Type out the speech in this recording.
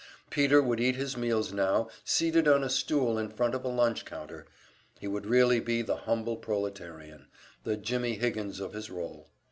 Peter would eat his meals now seated on a stool in front of a lunch counter, he would really be the humble proletarian, the "Jimmie Higgins" of his role.